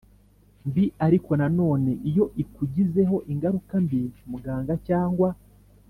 mbi Ariko na none iyo ikugizeho ingaruka mbi muganga cyangwa